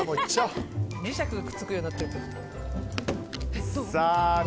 磁石でくっつくようになってるから。